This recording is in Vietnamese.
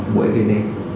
bụi gây nên